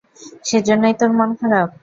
সেজন্যই তোর মন খারাপ।